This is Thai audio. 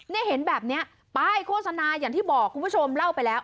เห็นแบบนี้ป้ายโฆษณาอย่างที่บอกคุณผู้ชมเล่าไปแล้ว